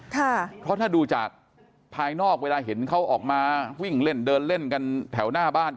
เพราะถ้าดูจากภายนอกเวลาเห็นเขาออกมาวิ่งเล่นเดินเล่นกันแถวหน้าบ้าน